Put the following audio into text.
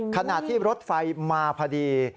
ขณะที่รถไฟมาพอดี